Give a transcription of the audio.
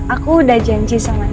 aku udah janji sama dia